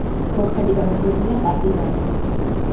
მოქმედი გამარჯვებულია „პარტიზანი“.